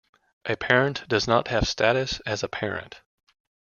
A parent does not have status as a parent.